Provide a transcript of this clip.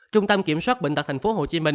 trung tâm kiểm soát bệnh tật tp hcm